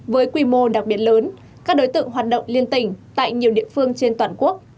với quy mô đặc biệt lớn các đối tượng hoạt động liên tỉnh tại nhiều địa phương trên toàn quốc